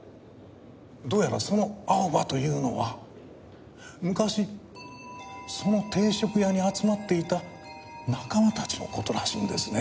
どうやらそのアオバというのは昔その定食屋に集まっていた仲間たちの事らしいんですね。